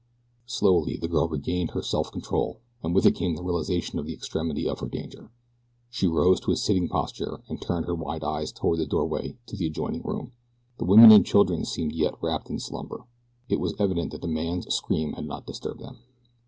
Slowly the girl regained her self control and with it came the realization of the extremity of her danger. She rose to a sitting posture and turned her wide eyes toward the doorway to the adjoining room the women and children seemed yet wrapped in slumber. It was evident that the man's scream had not disturbed them.